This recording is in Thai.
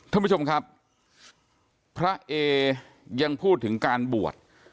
ท่านผู้ชมครับพระเอยังพูดถึงการบวช